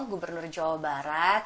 gubernur jawa barat